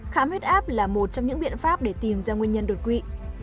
khám huyết áp là một trong những biện pháp để tìm ra nguyên nhân đột quỵ